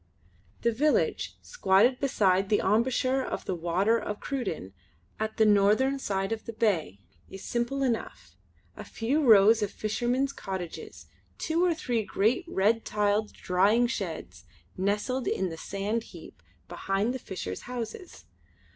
The village, squatted beside the emboucher of the Water of Cruden at the northern side of the bay is simple enough; a few rows of fishermen's cottages, two or three great red tiled drying sheds nestled in the sand heap behind the fishers' houses.